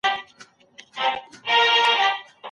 موږ نظم ډېر نه ساتو.